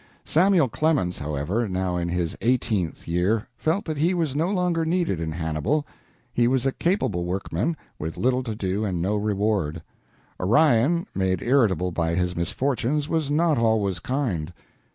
Samuel Clemens, however, now in his eighteenth year, felt that he was no longer needed in Hannibal. He was a capable workman, with little to do and no reward. Orion, made irritable by his misfortunes, was not always kind.